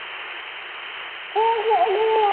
侧台塔小斜方截半二十面体欠二侧台塔。